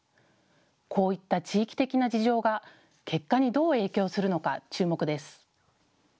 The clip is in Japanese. こういった地域的な事情が結果にどう影響するのか注目です。